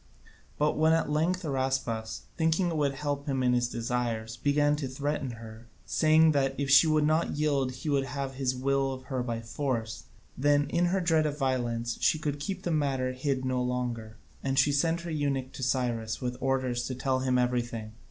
But when at length Araspas, thinking it would help him in his desires, began to threaten her, saying that if she would not yield he would have his will of her by force, then in her dread of violence she could keep the matter hid no longer, and she sent her eunuch to Cyrus with orders to tell him everything.